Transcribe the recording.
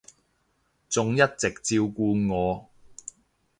仲一直照顧我